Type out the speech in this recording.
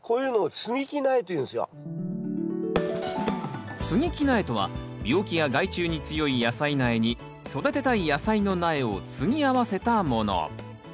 こういうのをつぎ木苗とは病気や害虫に強い野菜苗に育てたい野菜の苗をつぎ合わせたもの。